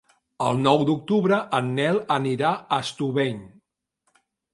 El nou d'octubre en Nel anirà a Estubeny.